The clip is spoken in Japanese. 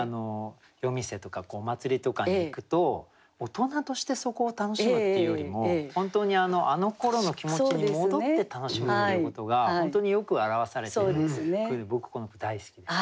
夜店とかお祭りとかに行くと大人としてそこを楽しむっていうよりも本当にあのころの気持ちに戻って楽しむっていうことが本当によく表されている句で僕この句大好きです。